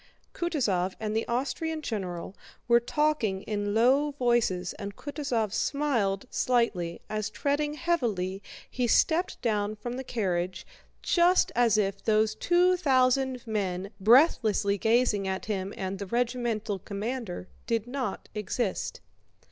Kutúzov and the Austrian general were talking in low voices and Kutúzov smiled slightly as treading heavily he stepped down from the carriage just as if those two thousand men breathlessly gazing at him and the regimental commander did not exist.